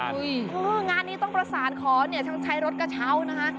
เฮ้ยงานนี้ต้องประสานของเนี่ยใช้รถกระเช้านะคะ